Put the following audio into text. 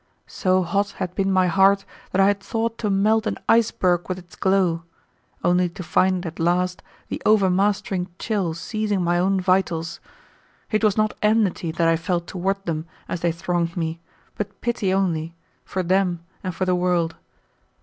So hot had been my heart that I had thought to melt an iceberg with its glow, only to find at last the overmastering chill seizing my own vitals. It was not enmity that I felt toward them as they thronged me, but pity only, for them and for the world.